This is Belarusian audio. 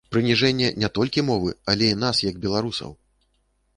Прыніжэнне не толькі мовы, але і нас, як беларусаў!